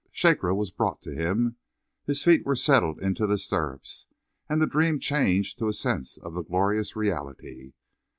Shakra was brought to him; his feet were settled into the stirrups, and the dream changed to a sense of the glorious reality.